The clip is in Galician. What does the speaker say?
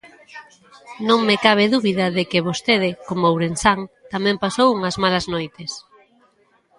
Non me cabe dúbida de que vostede, como ourensán, tamén pasou unhas malas noites.